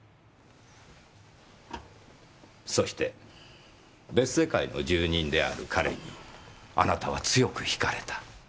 そして別世界の住人である彼にあなたは強く惹かれた。